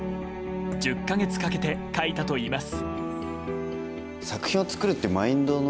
１０か月かけて描いたといいます。